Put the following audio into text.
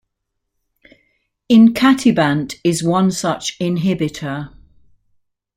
Icatibant is one such inhibitor.